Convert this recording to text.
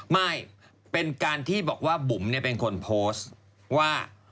ไม่เป็นการที่บอกว่าบุ๋มเป็นคนโพสต์ว่า